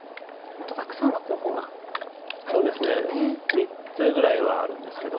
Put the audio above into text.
３つぐらいはあるんですけど。